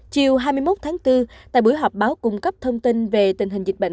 chiều hai mươi một tháng bốn tại buổi họp báo cung cấp thông tin về tình hình dịch bệnh